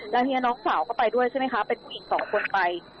แล้วทีนี้น้องสาวก็ไปด้วยใช่ไหมคะเป็นผู้หญิงสองคนไป